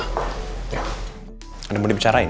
ada yang mau dibicarain